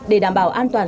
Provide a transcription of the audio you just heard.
để đảm bảo an toàn